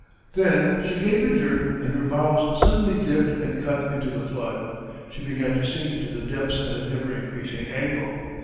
Then she gave a jerk and her bows suddenly dipped and cut into the flood. She began to sink into the depths at an ever increasing angle.